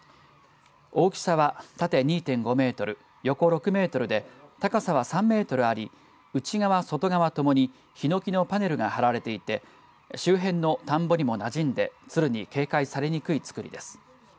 大きさは縦２．５メートル横６メートルで高さは３メートルあり内側、外側ともにひのきのパネルが張られていて周辺の田んぼにも馴染んで鶴に警戒されにくい作りです。